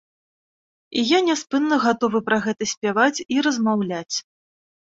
І я няспынна гатовы пра гэта спяваць, і размаўляць.